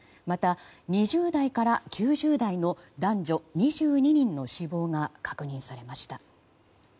また２０代から９０代の男女２２人の死亡が確認されました。